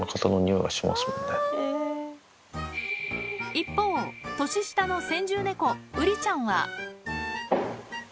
一方、年下の先住猫、ウリちゃんは。